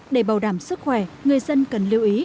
để bảo đảm sức khỏe người dân cần lưu ý